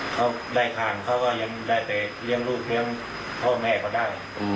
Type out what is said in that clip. เขาได้ทานเขาก็ยังได้แต่เลี้ยงลูกเลี้ยงพ่อแม่เขาได้